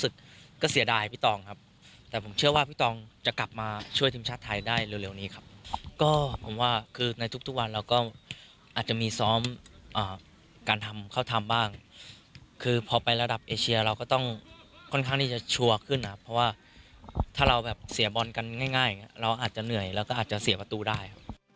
คือผมว่าคือในทุกทุกวันเราก็อาจจะมีซ้อมการทำเขาทำบ้างคือพอไประดับเอเชียเราก็ต้องค่อนข้างที่จะชัวร์ขึ้นนะครับเพราะว่าถ้าเราแบบเสียบอลกันง่ายอย่างเงี้เราอาจจะเหนื่อยแล้วก็อาจจะเสียประตูได้ครับ